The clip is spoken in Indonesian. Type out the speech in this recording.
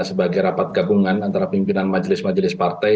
sebagai rapat gabungan antara pimpinan majelis majelis partai